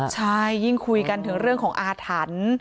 ใช่ยิ่งคุยกันถึงเรื่องของอาถรรพ์